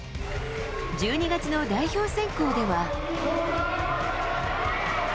１２月の代表選考では。